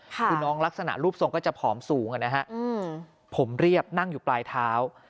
คือน้องลักษณะรูปทรงก็จะผอมสูงนะฮะผมเรียบนั่งอยู่ปลายเท้า